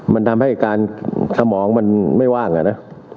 มันทำให้การสมองมันไม่ว่างอะนะ